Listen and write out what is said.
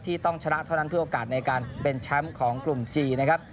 ต้องชนะเท่านั้นเพื่อโอกาสในการเป็นแชมป์ของกลุ่มจีนนะครับ